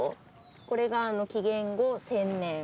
これが紀元後１０００年